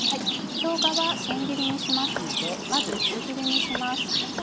しょうがは千切りにしますのでまず薄切りにします。